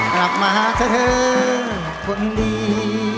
รักมหาเธอเธอคนดี